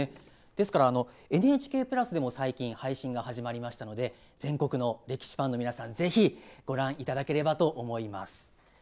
ですから、ＮＨＫプラスでも最近、配信が始まりましたので全国の歴史ファンの皆さんぜひご覧いただければと思います。